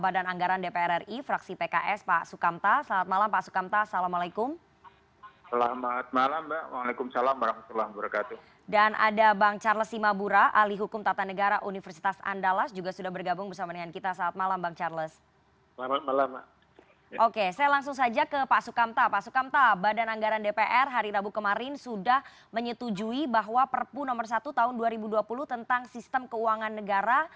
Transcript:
dpr hari rabu kemarin sudah menyetujui bahwa perpu nomor satu tahun dua ribu dua puluh tentang sistem keuangan negara